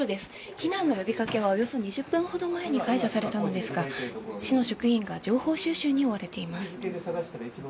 避難の呼びかけはおよそ２０分前に解除されたのですが、市の職員が情報収集に追われています。